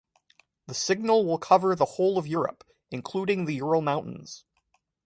The signal will cover the whole of Europe including the Ural Mountains.